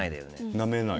なめない。